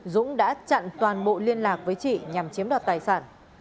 dũng đã chặn toàn bộ liên lạc với chị nhằm chiếm đoạt tài sản